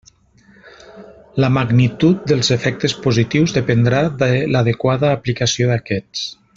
La magnitud dels efectes positius dependrà de l'adequada aplicació d'aquests.